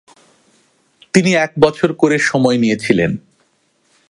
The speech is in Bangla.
তিনি এক বছর করে সময় নিয়েছিলেন।